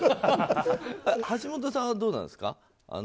橋下さんは、どうなんですか？